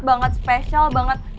banget spesial banget